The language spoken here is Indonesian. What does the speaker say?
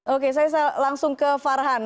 oke saya langsung ke farhan